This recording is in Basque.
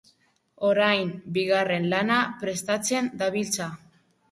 Orain, bigarren lana prestatzen dabiltza.